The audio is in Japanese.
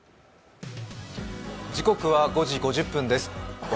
時刻は５時５０分です。